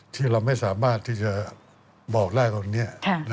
ที่เราไม่สามารถที่จะบอกได้วันนี้